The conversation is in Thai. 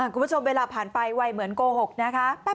คุณผู้ชมเวลาผ่านไปวัยเหมือนโกหกนะคะ